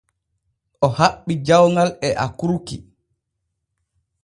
O haɓɓi jawŋal e akurki.